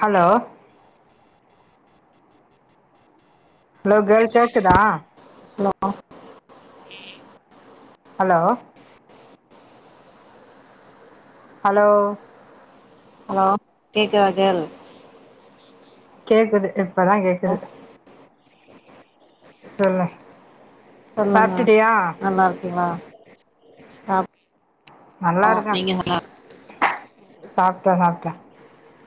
Hello hello கேள் கேக்குதா hello hello hello hello கேக்குதா கேள் கேக்குது இப்பதா ஓ கேக்குது சொல்லு சொல்லுங்க சாப்ட்டுட்டியா நல்லாருக்கீங்ளா சாப் நல்லாருக்க சாப்ட்ட சாப்ட்ட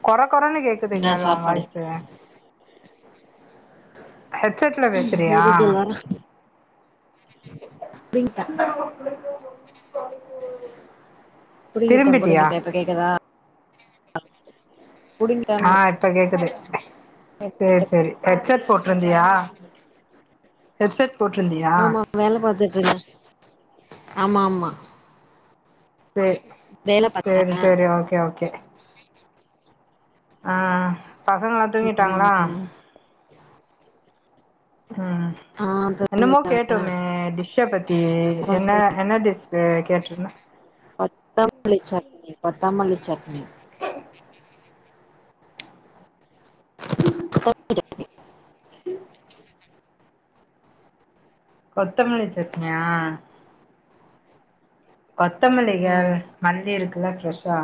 கொற கொறனு கே க்குது என்ன கேள் ஒ சாப்பாடு வாய்ஸ்சு ஹெட் செட்ல பேசுறியா இரு கேள் புடிங்ட்ட புடுங்கிட்ட திரும்பிட்டியா புடுங்கிட்ட இப்ப கேக்குதா அ புடிங்கிட்டேன்னா இப்ப கேக்குது சேர் செரி ஹெட்செட் போட்ருந்தியா ஹெட்செட் போட்ருந்தியா வேலப் பாத்துட்டுருந்த ஆமாமா சே வேல பாத் சேரி சேரி ஓகே ஓகே அ பசங்க எல்லா தூங்கிட்டாங்ளா ம் ம் ஆ என்னமோ தூங்கிட்டாங்க கேட்டோமே டிஷ் ஷப் பத்தி என்ன என்ன டிஸ்ஸு கேட்டிருந்த கொத்தமல்லி சட்னி கொத்தமல்லி சட்னி [inaudible] கொத்தமல்லி சட்னியா கொத்தமல்லி ம் கேக்கற மல்லி இருக்குல்ல ஃப்ரெஷ்ஷா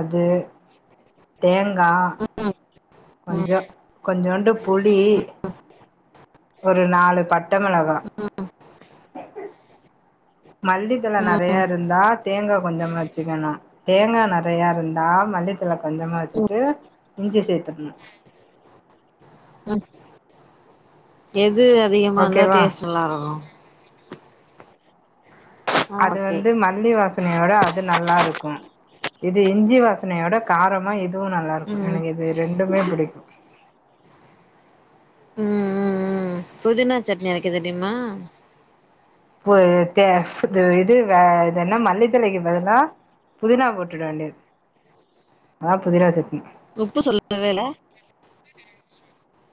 அது தேங்கா ம் கொஞ்சோ கொஞ்சோண்டு புளி ஒரு நாலு பட்ட மெளகா மல்லித்தழ நெறைய இருந்தா தேங்கா கொஞ்சமா வெச்சிக்கனோ தேங்கா நறையா இருந்தா மல்லித்தழய கொஞ்சமா ம் வெச்சிட்டு இஞ்சி சேத்துக்கனு ம் எது அதிகமா இருந்தா ஓகேவா டேஸ்ட் நல்லா இருக்கோ ஆ அது ஓகே வந்து மல்லி வாசனையோட அது நல்லா இருக்கும் இது இஞ்சி வாசனையோட காரமா இதுவு நல்லா இருக்கோ ம் எனக்கு இது ரெண்டுமே பிடிக்கு ம் ம் ம் புதினா சட்னி அரைக்க தெரியுமா பு தே இது இது வே இது என்ன மல்லித்தழைக்கு பதிலா புதினா போட்டுட வேண்டிது அதா புதினா சட்னி உப்பு சொல்லவேல்ல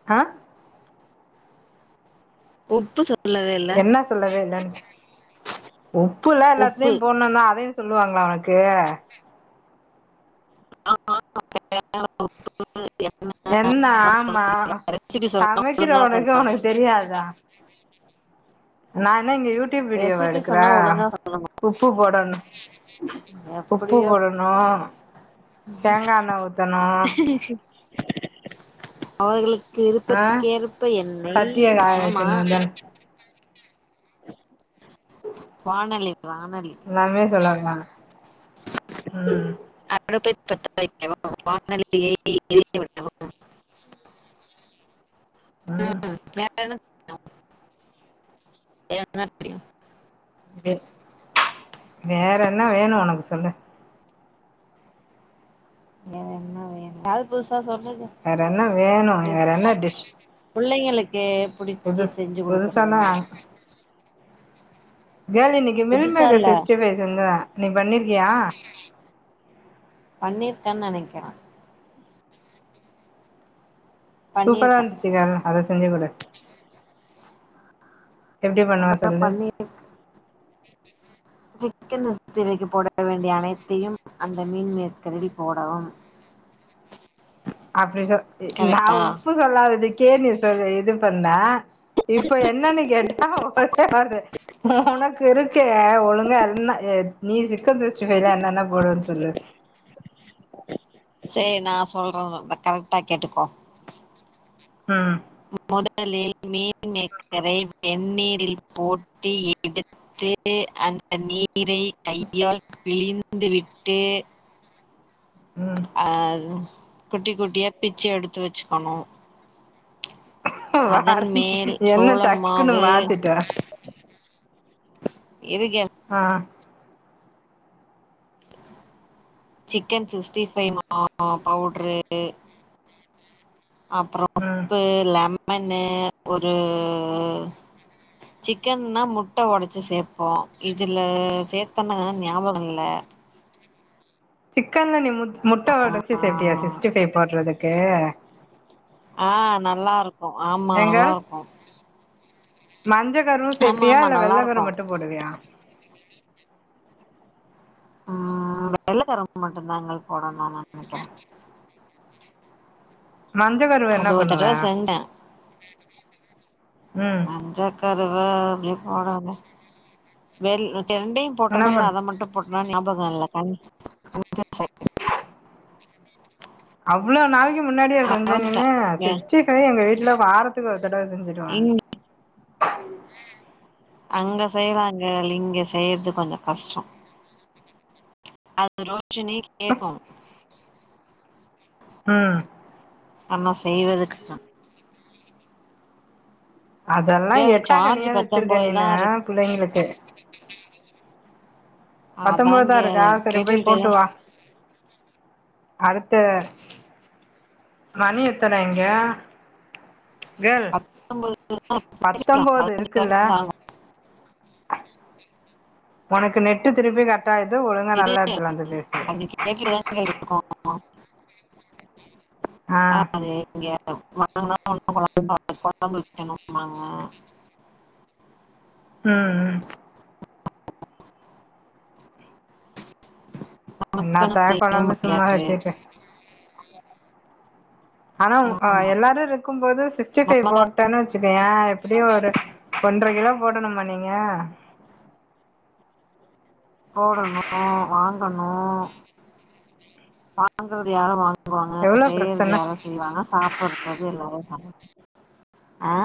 அ உப்பு சொல் என்ன சொல்லவே இல்ல உப்புல்லா எல்லாத்துலயு உப்பு போட்னு தா அதையு சொல்லுவாங்ளா உனக்கு [inaudible] அளவு என்ன என்ன ஆமா சொல்றீங்க? ரெசிபி சொன்னா சமைக்கிற ஒழுங்கா ஒனக்கு ஒனக்கு சொல்லணும் தெரியாதா நா என்ன இங்க யூடியூப் வீடியோவா ரெசிபி எடுக்குற சொன்னா ஒழுங்கா சொல்லணும் உப்பு போடனு உப்பு எப்படியோ போடனோ தேங்கா எண்ண ஊத்தனு அவுங்ளுக் ஆ விருபத்துக்கு ஏற்ப்ப சட்டிய எண்ணெயா காய ஆமா வைக்கணு தான வானலி வானலி எல்லாமே சொல்லனுமா ம் [inaudible] ம் வேற என்ன என்ன தெரியு வேற என்ன வேணு உனக்கு சொல்லு எதாது புதுசா சொல்லுங்க வேற என்ன வேணு வேற பிளீஸ் என்ன டிஷ் புள்ளைங்களுக்கு புடிச்சு புதுஸ் செஞ்சு குடுக்கறது புதுசான்னா மாதிரி கேர்ள் இன்னைக்கி மீள் புதுசா மேக்கர் இல்ல சிக்ஸ்ட்டி ஃபைவ் செஞ்சேன் நீ பண்ணிருக்கியா பண்ணிருக்கேன்னு நெனக்கிறே சூப்பரா பண்ணிருக்கே இருந்துச்சுங்க அத செஞ்சு குடு எப்டி பண்ணுவ அததா சொல்லு பன்னிருக் சிக்கன் சிக்ஸ்டடி ஃபைவ்க்கு போட வேண்டிய அனைத்தையும் அந்த மீன் மேக்கரில் போடவும் அப்படி சொ நா கரெக்டா உப்பு சொல்லாததுக் கேளு நீ சொல்ல இது பண்ண இப்ப என்னன்னு கேட்டா ஒட்டாரு ஒனக்கு இருக்க ஒழுங்கா என்ன அ நீ சிக்கன் சிக்ஸ்டி ஃபைவ்ல என்னென்ன போடுவன்னு சொல்லு சேர் நா சொல்றதுதா கரெக்டா கேட்டுக்கோ ம் முதலில் மீன்மேக்கரை வெந்நீரில் போட்டு எடு தெ அந்த நீரை கையால் பிழிந்து விட்டு ம் ஆ குட்டி குட்டியா பிச்சு எடுத்து வச்சுக்கணு அதன் வார்த் மேல் என்ன டக்குன்னு சோளமாவு மாத்திட்ட எதுக்கு ஆ சிக்கன் சிக்ஸ்டி ஃபைவ் மா பவுட்ரு அப்பற ம் உப்பு லெமனு ஒரு சிக்கன்ன்னா முட்ட ஒடச்சு சேப்போ இதுல சேத்தன்னானு ஞாபக இல்ல சிக்கன்ல நீ மு முட்ட ஒடச்சி ஆ சேப்பியா சிக்ஸ்டி ஃபைவ் போடுறதுக்கு ஆ நல்லாருக்கூ ஆமா எங்க நல்லாருக்கூ மஞ்ச கருவு ஆமா சேப்பியா ஆமா இல்ல வெள்ள கரு நல்லாருக்கு மட்டு போடுவியா ஆ வெள்ள கரு மட்டுந்தாங்க போடனுன்னு நெனக்கிறே மஞ்ச கருவ என்ன அது பண்ணுவ ம் மஞ்ச கருவ அப்டி போட ஒனே வெள் சே ரெண்டையும் என்ன போட்டனா இல்ல பண் அத மட்டு போட் டனா ஞாபகம் இல்ல [inaudible] அவ்ளோ நாளைக்கு முன்னாடியா கண் செஞ்ச மறந்துட்டே நீனு ஏ சிக்ஸ்டி ஃபைவ் எங்க வீட்ல வாரத்துக்கு ஒரு தடவ செஞ்சு ட்டுவ இங் ம் அங்க செய்யலாங்க இங்க செய்யறது கொஞ்ச கஷ்ட அது ரோஷினி கேக்கும் [inaudible] ஆ ஆனா செய்வது கஷ்டம் அதெல்லா கேள் எட்டா சார்ஜ் கனியா வச்சிருக்க பத்தொன்பதுதா நீனு ஆ இருக்கு பிள்ளைங்களுக்கு அதா பத்தொம்போதுதா கேள் இருக்கா சரி போய் கேட்டுக்கிட்டேதா போட்டுவா அடுத்த மணி எத்தன இங்க கல் பத்தொன்பது பத்தொம்பது இருக்குல்ல தாங்கும் உனக்கு நெட்டு திருப்பி கட் ஆயது ஒழுங்கா நல்ல எடத்துல வந்து பேசு கேக்குறதாங்க இருக்கு ஆ [unintelligible] இங்க வாங்கனா ஒன்னும் [inaudible] குழம்புக்கணு மாமா ம் ம் நமக்குன்னு என்னாத்த செய்ய கொழம்ப சும்மா முடியாது வச்சிட்டு ஆனா அ ஆமா எல்லாரு இருக்கும்போது சிக்ஸ்டி ஃபைவ் போ நமக்காக ட்டன்னு வச்சுக்கய எப்டியு ஒரு ஒன்ற கிலோ போடணுமா நீங்க போடணு வாங்கணு வாங்கற்து யாரு வாங் வாங்க எவ்ளோ செய்யறது பிரச்சன யாரோ செய்வாங்க சாப்புட்றது எல்லாரு சாப் ஆ